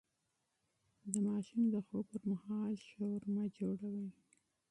د ماشوم د خوب پر مهال شور مه جوړوئ.